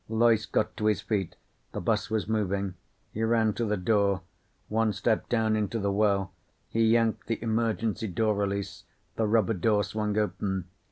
Loyce got to his feet. The bus was moving. He ran to the door. One step down into the well. He yanked the emergency door release. The rubber door swung open.